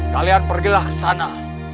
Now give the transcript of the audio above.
kalian pergilah ke sana